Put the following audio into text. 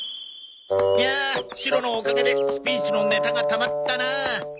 いやあシロのおかげでスピーチのネタがたまったな。